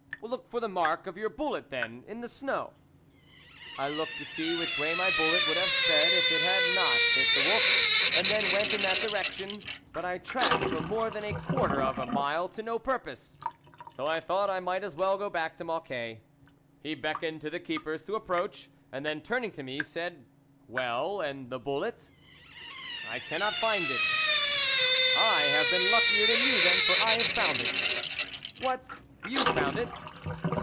" Look for the mark of your bullet, then, in the snow." I looked to see which way my bullet would have sped if it had not hit the wolf, and then went in that direction ; but I tracked for more than a quarter of a mile to no purpose, so I thought I might as well go back to Mocquet. He beck oned to the keepers to approach, and then turning to me, said :" Well, and the bullet ?"" I cannot find it." " I have been luckier than you, then, for I have found it." " What, you found it